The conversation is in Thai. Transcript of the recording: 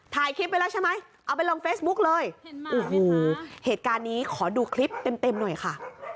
ถ่ายคลิปไว้แล้วใช่ไหมเอาไปลงเฟซบุ๊กเลยโอ้โหเหตุการณ์นี้ขอดูคลิปเต็มหน่อยค่ะ